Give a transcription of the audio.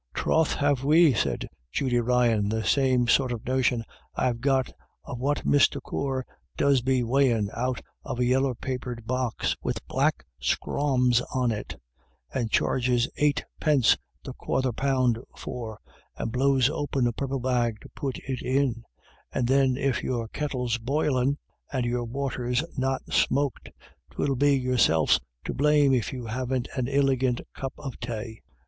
" Troth have we," said Judy Ryan, " the same sort of notion I've got of what Mr. Corr does be weighin' out of a yaller papered box wid black scrawms to it, and charges eightpince the quarther poun' for, and blows open a purple bag to put it in — and then if your kettle's boil in', and your water's not smoked, 'twill be yourselfs to blame if you haven't an iligant cup of tay."